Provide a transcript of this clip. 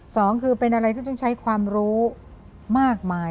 สองคือเป็นอะไรที่ต้องใช้ความรู้มากมาย